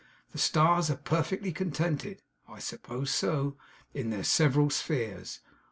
The stars are perfectly contented (I suppose so) in their several spheres.